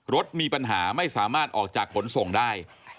รถมีปัญหาไม่สามารถออกจากขนส่งได้